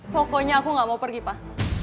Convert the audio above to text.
pokoknya aku gak mau pergi pak